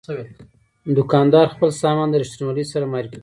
دوکاندار خپل سامان د رښتینولۍ سره معرفي کوي.